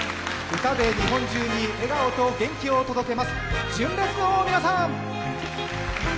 歌で日本中に笑顔と元気を届けます、純烈の皆さん。